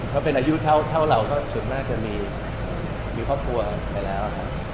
ถ้าเป็นอายุเท่าเราก็ส่วนมากจะมีครอบครัวไปแล้วครับ